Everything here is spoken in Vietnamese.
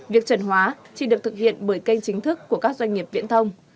việc trần hóa chỉ được thực hiện bởi kênh chính thức của các doanh nghiệp viễn thông